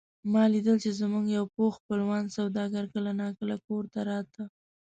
ما لیدل چې زموږ یو پوخ خپلوان سوداګر کله نا کله کور ته راته.